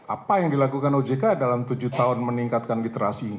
apa yang dilakukan ojk dalam tujuh tahun meningkatkan literasi